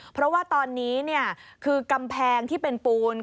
เพราะว่าตอนนี้คือกำแพงที่เป็นปูน